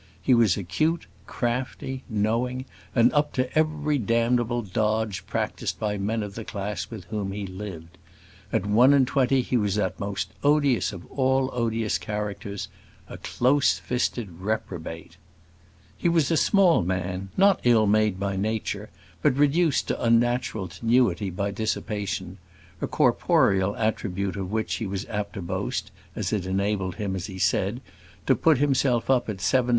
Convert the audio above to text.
He was acute, crafty, knowing, and up to every damnable dodge practised by men of the class with whom he lived. At one and twenty he was that most odious of all odious characters a close fisted reprobate. He was a small man, not ill made by Nature, but reduced to unnatural tenuity by dissipation a corporeal attribute of which he was apt to boast, as it enabled him, as he said, to put himself up at 7 st.